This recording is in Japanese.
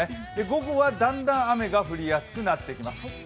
午後は、だんだん雨が降りやすくなってきます。